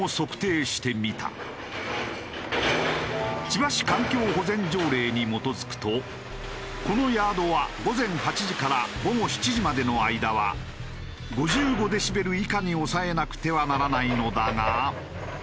千葉市環境保全条例に基づくとこのヤードは午前８時から午後７時までの間は５５デシベル以下に抑えなくてはならないのだが。